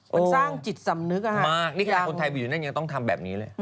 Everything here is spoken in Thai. มันสร้างจิตสำนึกมากนิกาคนไทยไปอยู่นั่นยังต้องทำแบบนี้เลย